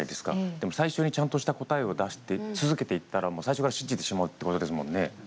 でも最初にちゃんとした答えを出して続けていったらもう最初から信じてしまうっていうことですもんね。